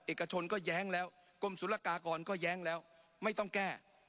เอกชนก็แย้งแล้วกรมศุลกากรก็แย้งแล้วไม่ต้องแก้